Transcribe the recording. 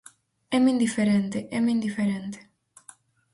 Éme indiferente, éme indiferente.